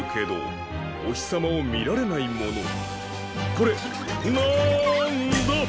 これなんだ？